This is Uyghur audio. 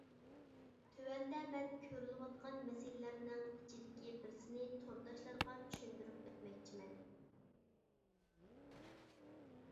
تۆۋەندە مەن كۆرۈلۈۋاتقان مەسىلىلەرنىڭ ئىچىدىكى بىرسىنى تورداشلارغا چۈشەندۈرۈپ ئۆتمەكچىمەن.